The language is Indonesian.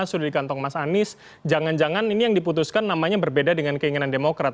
sudah di kantong mas anies jangan jangan ini yang diputuskan namanya berbeda dengan keinginan demokrat